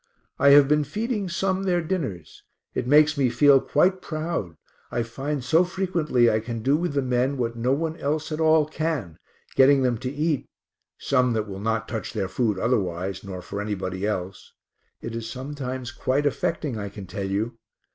I have been feeding some their dinners. It makes me feel quite proud, I find so frequently I can do with the men what no one else at all can, getting them to eat (some that will not touch their food otherwise, nor for anybody else) it is sometimes quite affecting, I can tell you.